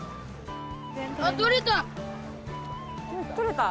あ、取れた！